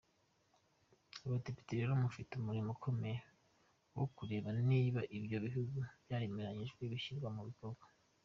Abadepite rero mufite umurimo ukomeye wo kureba niba ibyo ibihugu byemeranyijwe bishyirwa mu bikorwa!”.